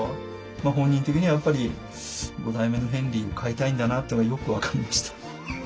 本人的にはやっぱり５代目のヘンリーを飼いたいんだなってよく分かりました。